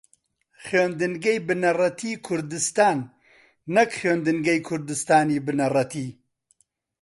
خوێندنگەی بنەڕەتیی کوردستان نەک خوێندنگەی کوردستانی بنەڕەتی